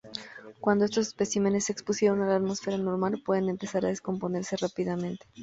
Cuando esos especímenes se expusieron a la atmósfera normal, pueden empezar a descomponerse rápidamente.